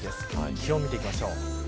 気温を見ていきましょう。